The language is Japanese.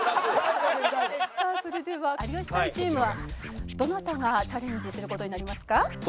さあそれでは有吉さんチームはどなたがチャレンジする事になりますか？